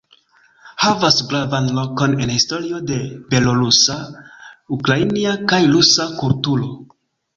Havas gravan lokon en historio de belorusa, ukrainia kaj rusa kulturo.